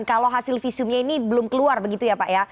kalau hasil visumnya ini belum keluar begitu ya pak ya